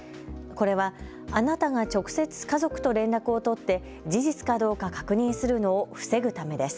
これは、あなたが直接家族と連絡を取って事実かどうか確認するのを防ぐためです。